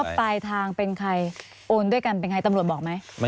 ปลายทางเป็นใครโอนด้วยกันเป็นไงตำรวจบอกไหม